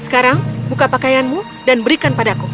sekarang buka pakaianmu dan berikan padaku